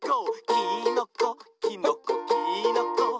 「きーのこきのこきーのこ」